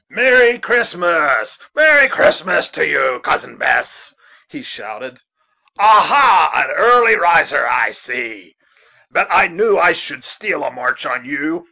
"Merry Christmas, merry Christmas to you, Cousin Bess," he shouted. "Ah, ha! an early riser, I see; but I knew I should steal a march on you.